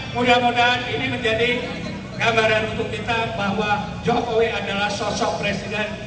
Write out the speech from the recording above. mudah mudahan ini menjadi gambaran untuk kita bahwa jokowi adalah sosok presiden